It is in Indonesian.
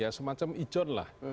ya semacam ijon lah